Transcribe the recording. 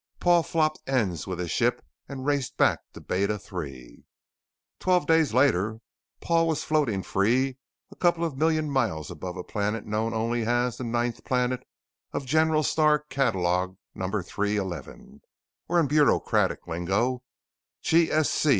Paul flopped ends with his ship and raced back to Beta III. Twelve days later Paul was floating free a couple of million miles above a planet known only as 'The Ninth Planet of General Star Catalog Number 311' or in bureaucratic lingo: G.S.C.